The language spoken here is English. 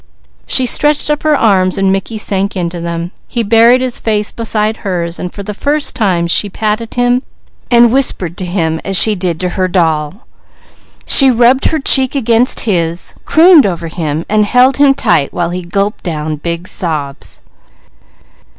She stretched up her arms, and Mickey sank into them. He buried his face beside hers and for the first time she patted him, and whispered to him as she did to her doll. She rubbed her cheek against his, crooned over him, and held him tight while he gulped down big sobs.